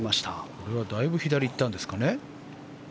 これはだいぶ左に行ったんですかね。